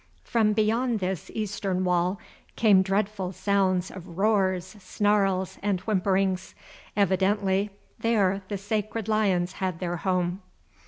From beyond this eastern wall came dreadful sounds of roars, snarls, and whimperings. Evidently there the sacred lions had their home.